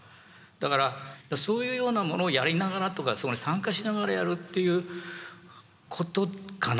だからそういうようなものをやりながらとかそこに参加しながらやるっていうことかな。